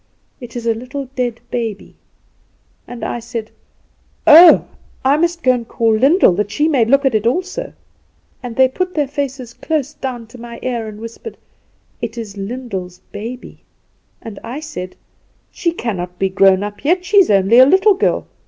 it is a little dead baby.' And I said: 'Oh, I must go and call Lyndall, that she may look at it also.' "And they put their faces close down to my ear and whispered: 'It is Lyndall's baby.' "And I said: 'She cannot be grown up yet; she is only a little girl!